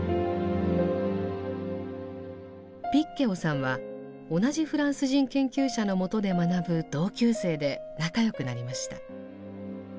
ピッ・ケオさんは同じフランス人研究者のもとで学ぶ同級生で仲良くなりました。